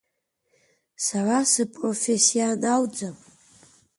Сара сыпрофессионалӡам.